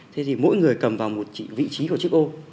thế thì mỗi người cầm vào một vị trí của chiếc ô